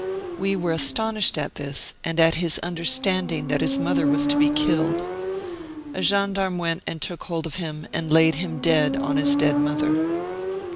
We were astonished at this, and at his understand ing that his mother was to be killed. A gendarme went and took hold of him, and laid him dead on his dead mother."